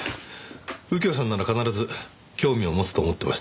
右京さんなら必ず興味を持つと思ってました。